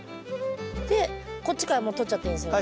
でこっちからもう取っちゃっていいんですよね。